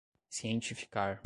cientificar